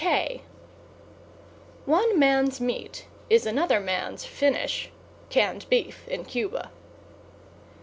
K One man's meat is another man's finish Canned Beef in Cuba.